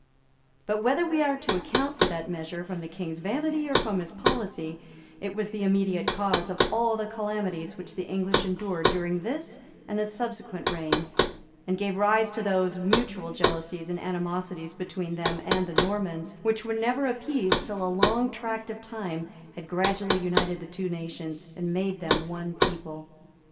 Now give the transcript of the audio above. But whether we are to account for that measure from the king's vanity or from his policy, it was the immediate cause of all the calamities which the English endured during this and the subsequent reigns, and gave rise to those mutual jealousies and animosities between them and the Normans, which were never appeased till a long tract of time had gradually united the two nations, and made them one people.